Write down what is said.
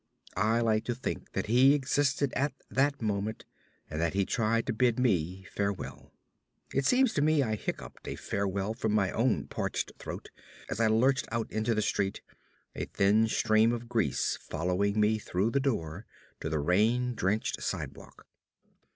I like to think that he existed at that moment, and that he tried to bid me farewell. It seems to me I hiccupped a farewell from my own parched throat as I lurched out into the street; a thin stream of grease following me through the door to the rain drenched sidewalk.